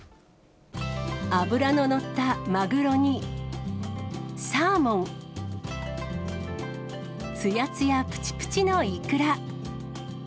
脂の乗ったマグロに、サーモン、つやつやぷちぷちのイクラ。